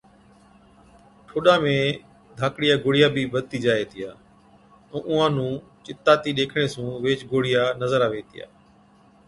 ٺوڏا ۾ ڌاڪڙِيا گوڙهِيا بِي بڌتِي جائي هِتِيا ائُون اُونهان نُون چِتاتِي ڏيکڻي سُون ويهچ گوڙهِيا نظر آوي هِتِيا۔